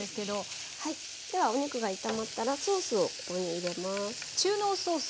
ではお肉が炒まったらソースをここに入れます。